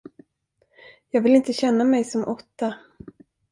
Jag vill inte känna mig som åtta.